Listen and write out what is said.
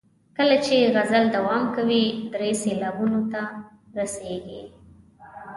کله چې غزل دوام کوي درې سېلابونو ته رسیږي.